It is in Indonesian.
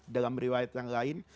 dalam riwayat yang lain